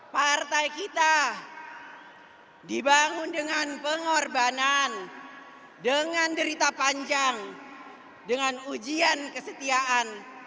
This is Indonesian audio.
partai kita dibangun dengan pengorbanan dengan derita panjang dengan ujian kesetiaan